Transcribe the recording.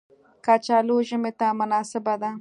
کچالو ژمي ته مناسبه ده